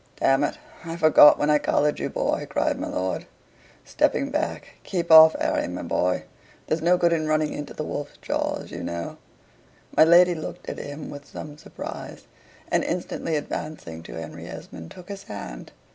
"D it, I forgot when I collared you, boy," cried my lord, stepping back. "Keep off, Harry my boy; there's no good in running into the wolf's jaws, you know." My lady looked at him with some surprise, and instantly advancing to Henry Esmond, took his hand.